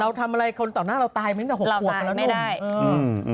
เราทำอะไรต่อหน้าเราตายเมื่อนี้แต่หกบวกแล้วนุ่ม